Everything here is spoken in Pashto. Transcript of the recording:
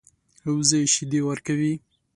وزې شیدې ورکوي